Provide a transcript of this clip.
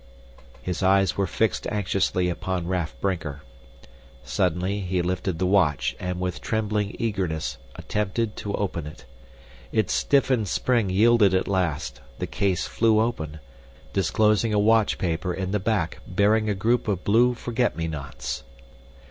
His eyes were fixed anxiously upon Raff Brinker. Suddenly he lifted the watch and, with trembling eagerness, attempted to open it. Its stiffened spring yielded at last; the case flew open, disclosing a watch paper in the back bearing a group of blue forget me nots.